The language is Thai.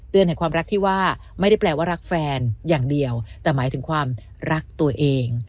เดือนแห่งความรักที่ว่าไม่ได้แปลว่ารักแฟนอย่างเดียวแต่หมายถึงความรักตัวเอง